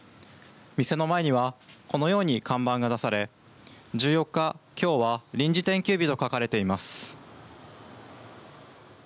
店の前にはこのように看板が出され１４日、きょうは臨時店休日と書かれています。